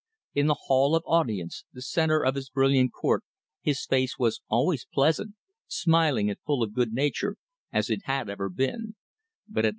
In the Hall of Audience, the centre of his brilliant court, his face was always pleasant, smiling and full of good nature, as it had ever been; but, alas!